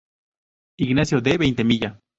Ignacio de Veintemilla.